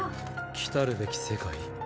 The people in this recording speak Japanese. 来るべき世界？